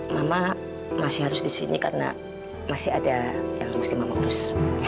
mama masih harus disini karena masih ada yang mesti mama plus